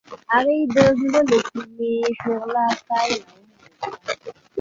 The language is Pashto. هغې د زړه له کومې د شعله ستاینه هم وکړه.